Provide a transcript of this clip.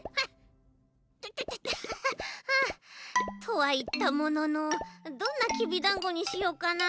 とはいったもののどんなきびだんごにしようかな？